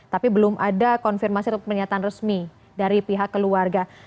tapi belum ada konfirmasi atau pernyataan resmi dari pihak keluarga